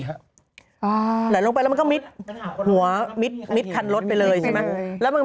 ไหลลงไปแล้วมันก็มิดหัวมิดคันรถไปเลยใช่ไหม